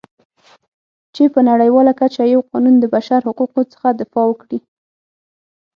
چې په نړیواله کچه یو قانون د بشرحقوقو څخه دفاع وکړي.